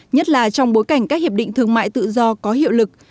nhất là trong bối cảnh các hiệp định thương mại tự do có hiệu lực